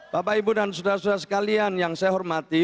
bapak ibu dan saudara saudara sekalian yang saya hormati